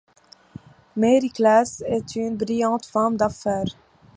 Mary Class est une brillante femme d'affaires.